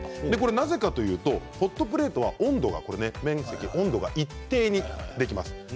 なぜかというとホットプレートは温度が一定にできます。